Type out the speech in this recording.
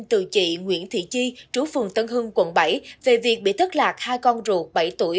từ chị nguyễn thị chi trú phường tân hưng quận bảy về việc bị thất lạc hai con ruột bảy tuổi